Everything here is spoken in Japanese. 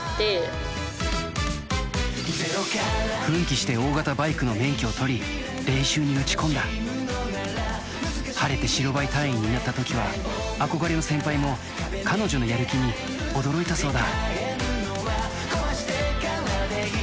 奮起して大型バイクの免許を取り練習に打ち込んだ晴れて白バイ隊員になった時は憧れの先輩も彼女のやる気に驚いたそうだ